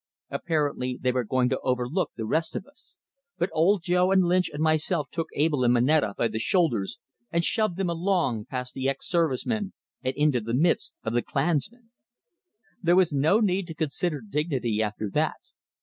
Apparently they were going to overlook the rest of us; but Old Joe and Lynch and myself took Abell and Moneta by the shoulders and shoved them along, past the ex service men and into the midst of the "Klansmen." There was no need to consider dignity after that.